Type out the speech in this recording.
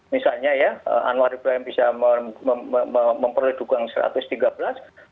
misalnya ya anwar ibrahim bisa memperoleh dukungan satu ratus tiga belas